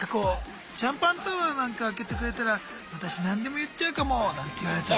シャンパンタワーなんか開けてくれたら私何でも言っちゃうかもなんて言われたら。